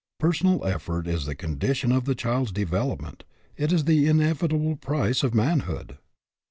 Personal effort is the condition of the child's development. It is the inevitable price of manhood.